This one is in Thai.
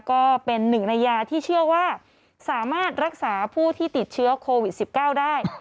ก็เป็นหนึ่งในยาที่เชื่อว่าสามารถรักษาผู้ที่ติดเชื้อโควิด๑๙ได้